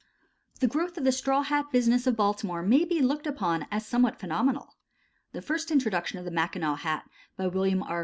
The growth of the straw hat business of Baltimore may be looked upon as somewhat phenomenal. The first introduction of the Mackinaw hat by William R.